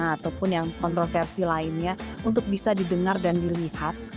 ataupun yang kontroversi lainnya untuk bisa didengar dan dilihat